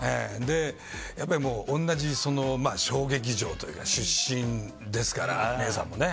やっぱり同じ小劇場というか出身ですから、姉さんもね。